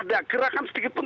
ada gerakan sedikit pun